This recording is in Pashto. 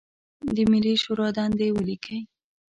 د ملي شورا دندې ولیکئ.